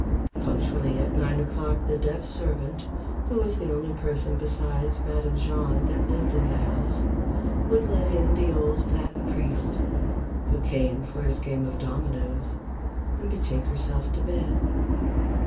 Punctually at nine o'clock the deaf servant, who was the only person besides Madame Jahn that lived in the house, would let in the fat old priest, who came for his game of dominoes, and betake herself to bed.